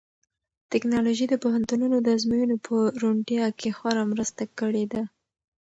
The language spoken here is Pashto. ټیکنالوژي د پوهنتونونو د ازموینو په روڼتیا کې خورا مرسته کړې ده.